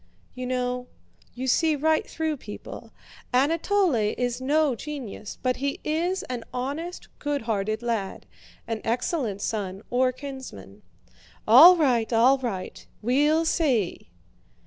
"You know, you see right through people. Anatole is no genius, but he is an honest, goodhearted lad; an excellent son or kinsman." "All right, all right, we'll see!"